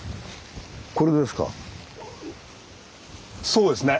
そうですね。